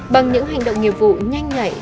bằng những hành động nghiệp vụ nhanh nhạy